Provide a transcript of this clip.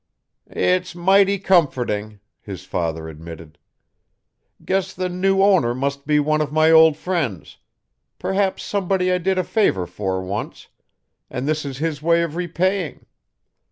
"It's mighty comforting," his father admitted. "Guess the new owner must be one of my old friends perhaps somebody I did a favour for once and this is his way of repaying.